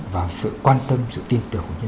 và sự quan tâm sự tin tưởng của nhân dân